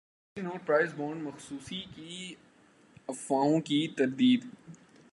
currency note prize bonds منسوخی کی افواہوں کی تردید